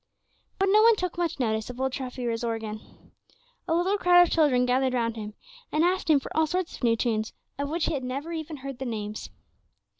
But no one took much notice of old Treffy or his organ. A little crowd of children gathered round him, and asked him for all sorts of new tunes of which he had never even heard the names.